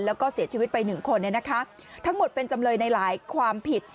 แล้วก็เสียชีวิตไปหนึ่งคนเนี่ยนะคะทั้งหมดเป็นจำเลยในหลายความผิด